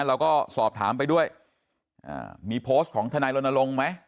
เราก็สอบถามไปด้วยมีโพสต์ของทนายรณรงค์ไหม